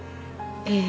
ええ。